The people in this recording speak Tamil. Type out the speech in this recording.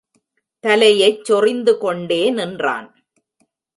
தலையைச் சொறிந்துகொண்டே நின்றான்.